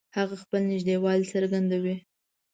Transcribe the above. هغه خپل نږدېوالی څرګندوي